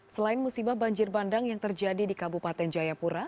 selain musibah banjir bandang yang terjadi di kabupaten jayapura